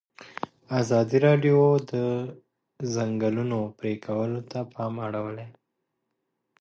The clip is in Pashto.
ازادي راډیو د د ځنګلونو پرېکول ته پام اړولی.